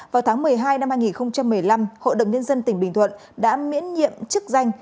vào tháng một mươi hai năm hai nghìn một mươi năm hội đồng nhân dân tỉnh bình thuận đã miễn nhiệm chức danh